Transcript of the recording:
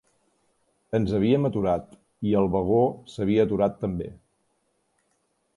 Ens havíem aturat, i el vagó s"havia aturat també.